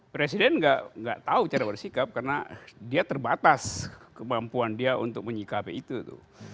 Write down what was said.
presiden nggak tahu cara bersikap karena dia terbatas kemampuan dia untuk menyikapi itu tuh